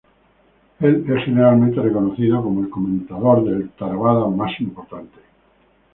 Él es generalmente reconocido como el comentador del Theravada más importante.